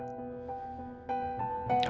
supaya saya bisa segera menemukan istri saya